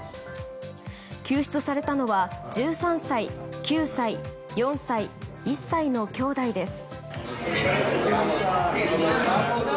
救出されたのは１３歳、９歳４歳、１歳のきょうだいです。